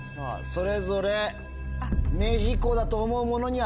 それぞれ明治以降だと思うものには「○」